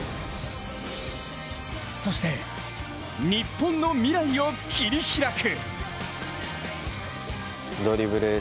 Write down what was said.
そして、日本の未来を切り開く。